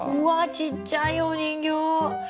ちっちゃいお人形！